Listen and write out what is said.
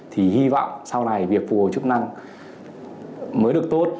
thì hy vọng sau này việc phù hồi chức năng mới được tốt